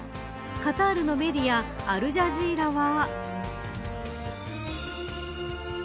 カタールのメディアアルジャジーラは。